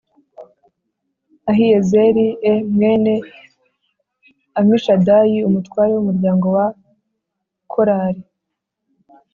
Ahiyezeri e mwene Amishadayi umutware w umuryango wa korari